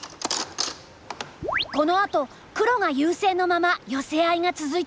このあと黒が優勢のままヨセ合いが続いたよ。